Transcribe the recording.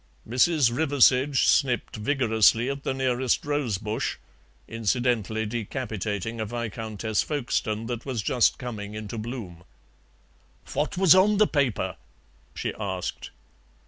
Mrs. Riversedge snipped vigorously at the nearest rose bush, incidentally decapitating a Viscountess Folkestone that was just coming into bloom. "What was on the paper?" she asked.